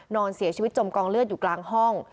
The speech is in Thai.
นอนเสียชีวิตจมกองเลือดอยู่กลางห้อง